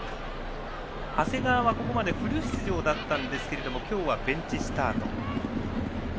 長谷川はここまでフル出場でしたが今日はベンチスタート。